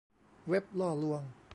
เว็บล่อลวง